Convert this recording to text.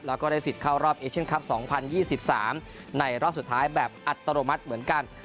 แล้วก็ได้สิทธิ์เข้ารอบเอเชียนคลับ๒๐๒๓ในรอบสุดท้ายแบบอัตโนมัติเหมือนกัน